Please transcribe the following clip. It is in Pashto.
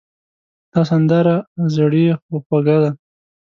دا سندره زړې خو خوږه ده.